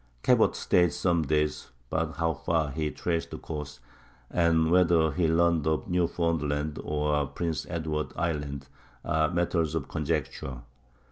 Cabot stayed some days, but how far he traced the coast, and whether he learned of Newfoundland or Prince Edward Island, are matters of conjecture.